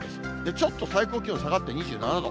ちょっと最高気温下がって２７度。